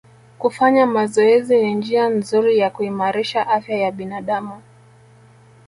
Kufanya mazoezi ni njia nzuri ya kuimarisha afya ya binadamu